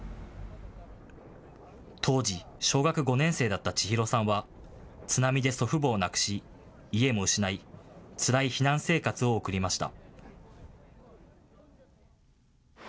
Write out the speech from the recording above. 当時小学５年生だった千裕さんは津波で祖父母を亡くし家も失い、つらい避難生活を送りました。